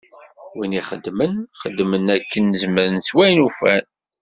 Wid ixeddmen, xeddmen akken zemren s wayen ufan.